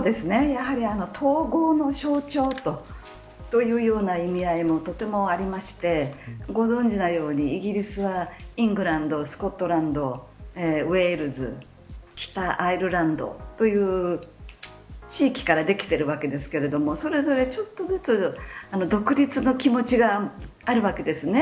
やはり統合の象徴というような意味合いもとてもありましてご存じなように、イギリスはイングランド、スコットランドウェールズ北アイルランドという地域からできているわけですがそれぞれ、ちょっとずつ独立の気持ちがあるわけですね。